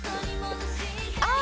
あ！